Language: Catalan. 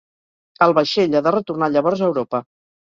El vaixell ha de retornar llavors a Europa.